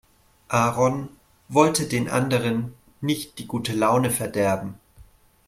Aaron wollte den anderen nicht die gute Laune verderben.